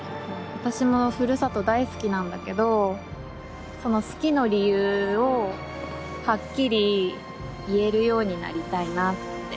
私もふるさと大好きなんだけどその好きの理由をはっきり言えるようになりたいなって。